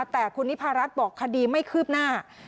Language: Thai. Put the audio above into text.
แต่คุณนิพารัฐบอกคดีไม่คืบหน้า